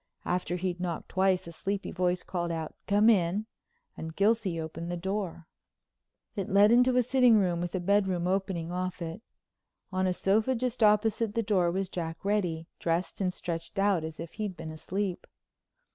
After he'd knocked twice a sleepy voice called out, "Come in," and Gilsey opened the door. It led into a sitting room with a bedroom opening off it. On a sofa just opposite the door was Jack Reddy, dressed and stretched out as if he'd been asleep.